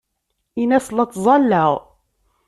Ini-as la ttẓallaɣ.